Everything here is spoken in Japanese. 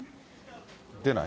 出ない？